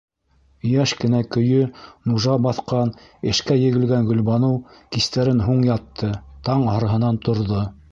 Йәш кенә көйө нужа баҫҡан, эшкә егелгән Гөлбаныу кистәрен һуң ятты, таң һарыһынан торҙо.